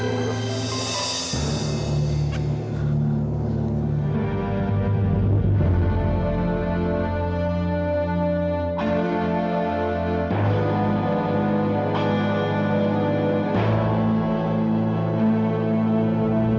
kok saya tidur kan dibangunin